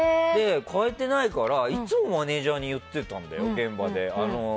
変えてないからいつもマネジャーに言ってたんだよ。